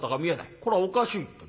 これはおかしいと。